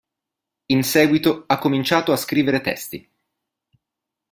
In seguito ha cominciato a scrivere testi.